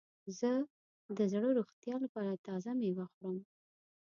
زه د زړه د روغتیا لپاره تازه میوه خورم.